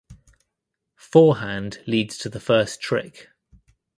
Forehand leads to the first trick.